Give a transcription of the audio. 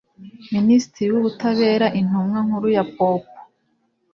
minisitiri w ubutabera intumwa nkuru ya popo